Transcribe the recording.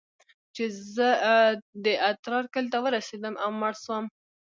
چې زه د اترار کلي ته ورسېدم او مړ سوم.